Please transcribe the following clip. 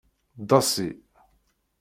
Ḍasi.